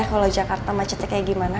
kalau jakarta macetnya kayak gimana